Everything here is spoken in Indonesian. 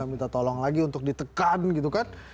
minta tolong lagi untuk ditekan gitu kan